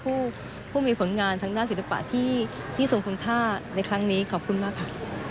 ผู้มีผลงานทางด้านศิลปะที่ทรงคุณค่าในครั้งนี้ขอบคุณมากค่ะ